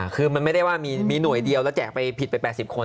คือมันไม่ได้ว่ามีหน่วยเดียวแล้วแจกไปผิดไป๘๐คน